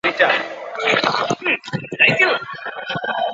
李澄玉官至咸吉道都节制使。